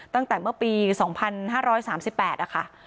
ตั้งแต่เมื่อปี๒๕๓๘นะคะ